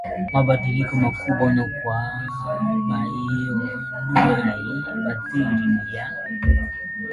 mabadiliko makubwa kwa bayoanuaiBaadhi ya